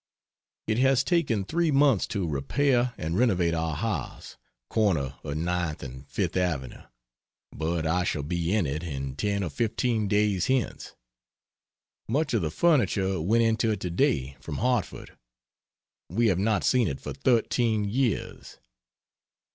It has taken three months to repair and renovate our house corner of 9th and 5th Avenue, but I shall be in it in io or 15 days hence. Much of the furniture went into it today (from Hartford). We have not seen it for 13 years.